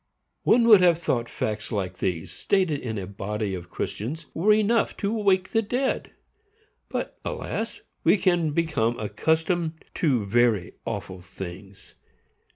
One would have thought facts like these, stated in a body of Christians, were enough to wake the dead; but, alas! we can become accustomed to very awful things.